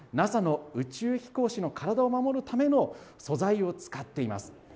ＮＡＳＡの宇宙飛行士の体を守るための素材を使っています。